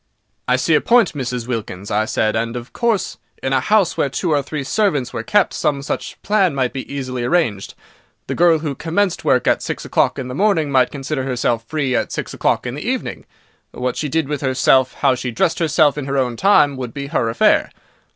"I see your point, Mrs. Wilkins," I said, "and, of course, in a house where two or three servants were kept some such plan might easily be arranged. The girl who commenced work at six o'clock in the morning might consider herself free at six o'clock in the evening. What she did with herself, how she dressed herself in her own time, would be her affair.